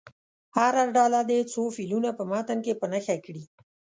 هره ډله دې څو فعلونه په متن کې په نښه کړي.